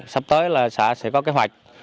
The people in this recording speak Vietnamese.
sắp tới là xã sẽ có kế hoạch